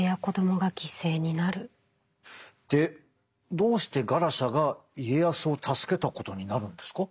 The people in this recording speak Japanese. でどうしてガラシャが家康を助けたことになるんですか？